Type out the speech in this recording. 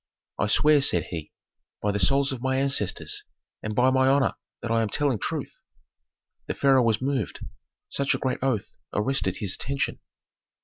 "I swear," said he, "by the souls of my ancestors, and by my honor that I am telling truth." The pharaoh was moved; such a great oath arrested his attention.